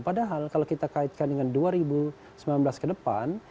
padahal kalau kita kaitkan dengan dua ribu sembilan belas ke depan